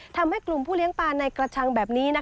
ทำให้กลุ่มผู้เลี้ยงปลาในกระชังแบบนี้